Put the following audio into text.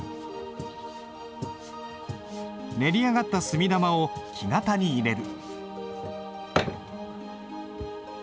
練り上がった墨玉を木型に入れる。